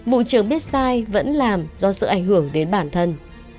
vụ trường biết sai vẫn làm do sự ảnh hưởng đến bản thân